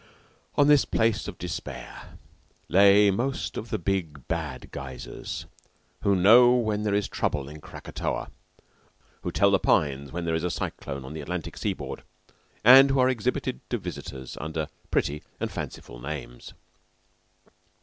On this place of despair lay most of the big, bad geysers who know when there is trouble in Krakatoa, who tell the pines when there is a cyclone on the Atlantic seaboard, and who are exhibited to visitors under pretty and fanciful names.